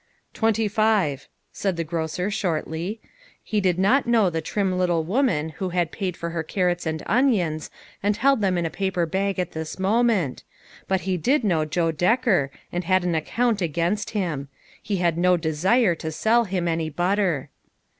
"Twenty five," said the grocer, shortly. He did not know the trim little woman who had paid for her carrots and onions, and held them in a paper bag at this moment, but he did know Joe Decker and had an account against him. He had no desire to sell him any butter.